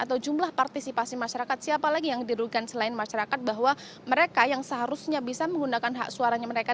atau jumlah partisipasi masyarakat siapa lagi yang dirugikan selain masyarakat bahwa mereka yang seharusnya bisa menggunakan hak suaranya mereka